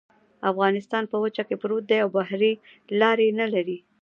افغانستان په وچه کې پروت دی او بحري لارې نلري